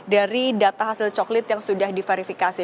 dari data hasil coklit yang sudah diverifikasi